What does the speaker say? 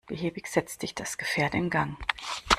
Behäbig setzt sich das Gefährt in Gang.